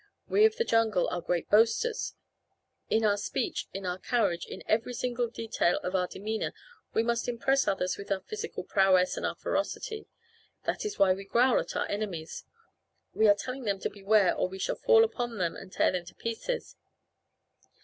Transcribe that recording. We of the jungle are great boasters. In our speech, in our carriage, in every detail of our demeanor we must impress others with our physical power and our ferocity. That is why we growl at our enemies. We are telling them to beware or we shall fall upon them and tear them to pieces.